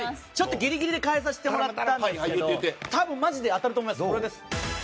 ギリギリで変えさせてもらったんですけどマジでこれ当たると思います。